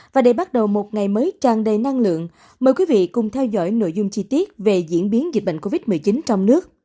và để bắt đầu một ngày mới tràn đầy năng lượng mời quý vị cùng theo dõi nội dung chi tiết về diễn biến dịch bệnh covid một mươi chín trong nước